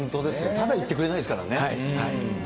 ただいってくれないですからね。